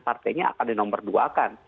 partainya akan dinomor dua kan